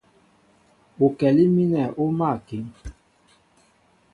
Ukɛlí mínɛ́ ú máál a kíŋ.